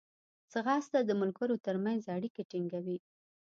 ځغاسته د ملګرو ترمنځ اړیکې ټینګوي